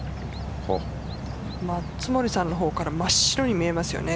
松森さんの方から真っ白に見えますよね。